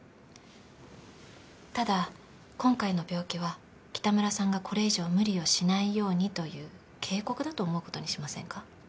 ただ今回の病気は北村さんがこれ以上無理をしないようにという警告だと思う事にしませんか？